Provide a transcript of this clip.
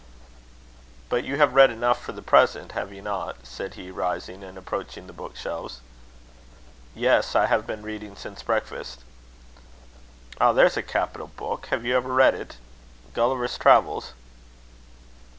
"But you have read enough for the present, have you not?" said he, rising, and approaching the book shelves. "Yes; I have been reading since breakfast." "Ah! there's a capital book. Have you ever read it Gulliver's Travels?"